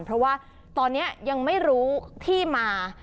เพราะว่าตอนนี้ยังไม่รู้ที่มา